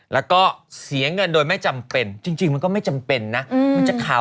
และก็เสียเงินโดยไม่จำเป็นจริงมันก็ไม่จำเป็นนะ